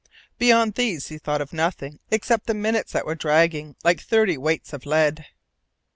Beyond these he thought of nothing except the minutes that were dragging like thirty weights of lead.